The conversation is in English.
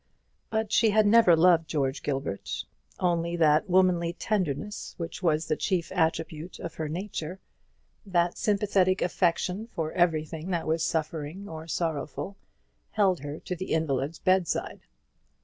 But she had never loved George Gilbert; only that womanly tenderness, which was the chief attribute of her nature, that sympathetic affection for everything that was suffering or sorrowful, held her to the invalid's bedside.